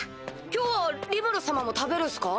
今日はリムル様も食べるっすか？